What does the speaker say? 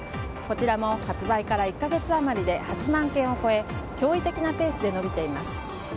こちらも発売から１か月余りで８万件を超え驚異的なペースで伸びています。